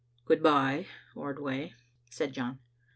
"Good bye, Ordway," said John.